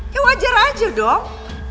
ya wajar aja dong